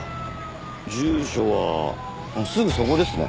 住所はすぐそこですね。